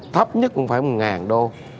thấp nhất cũng phải một đô